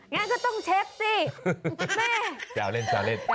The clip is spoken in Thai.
งั้นก็ต้องเช็คสิแม่จะเอาเล่นแซวเล่น